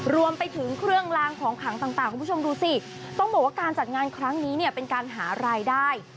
รวมไปถึงเครื่องลางของขังต่างคุณผู้ชมดูสิต้องบอกว่าการจัดงานครั้งนี้เนี่ยเป็นการหารายได้